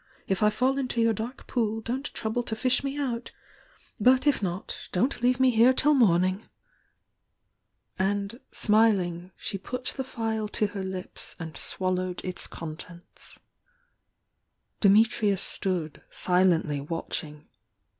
If I fall into your dark pool don't trouble to fish me out! — but if not, don't leave me here till morning!" And, smiling, she put the phial to her lips and swallowed its contents. Dimitrius stood, silently watching.